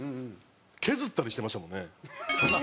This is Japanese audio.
削ったりしてましたもんね。